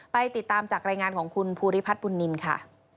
ไปติดตามจากรายงานของคุณภูริพัฒน์บุญนินค่ะ